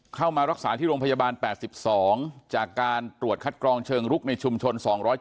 เข้ามารักษาที่โรงพยาบาล๘๒จากการตรวจคัดกรองเชิงลุกในชุมชน๒๗